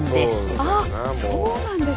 あっそうなんですね。